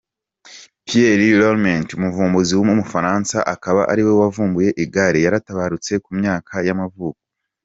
Pierre Lallement, umuvumbuzi w’umufaransa akaba ariwe wavumbuye igare yaratabarutse, ku myaka y’amavuko.